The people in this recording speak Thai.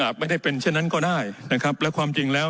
ไม่ได้เป็นเช่นนั้นก็ได้นะครับและความจริงแล้ว